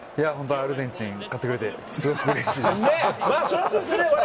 アルゼンチン、勝ってくれて本当にうれしいです。